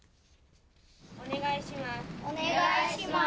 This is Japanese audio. お願いします。